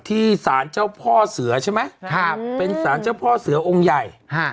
ที่สารเจ้าพ่อเสือใช่ไหมครับเป็นสารเจ้าพ่อเสือองค์ใหญ่ฮะ